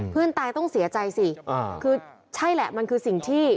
ตายต้องเสียใจสิคือใช่แหละมันคือสิ่งที่